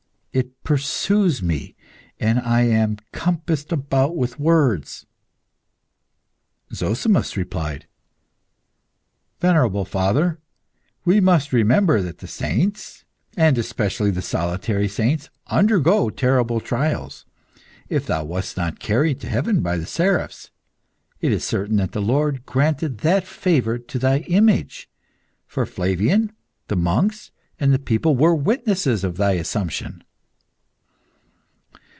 It pursues me, and I am compassed about with swords." Zozimus replied "Venerable father, we must remember that the saints, and especially the solitary saints, undergo terrible trials. If thou wast not carried to heaven by the seraphs, it is certain that the Lord granted that favour to thy image, for Flavian, the monks, and the people were witnesses of thy assumption."